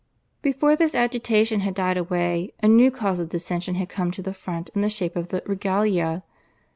Before this agitation had died away a new cause of dissension had come to the front in the shape of the /Regalia